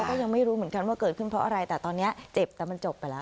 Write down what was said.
ก็ยังไม่รู้เหมือนกันว่าเกิดขึ้นเพราะอะไรแต่ตอนนี้เจ็บแต่มันจบไปแล้ว